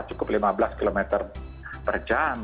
cukup lima belas km per jam